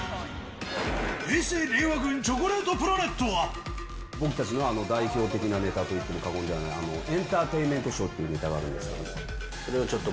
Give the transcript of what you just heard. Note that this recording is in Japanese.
平成・令和芸人、僕たちの代表的なネタといっても過言ではないという、エンターテインメントショーっていうネタがあるんですけど。